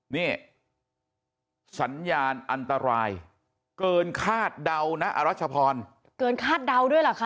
นี่สัญญาณอันตรายเกินคาดเดานะอรัชพรเกินคาดเดาด้วยเหรอคะ